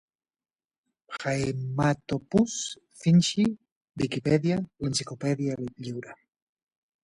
Haematopus finschi - Viquipèdia, l'enciclopèdia lliure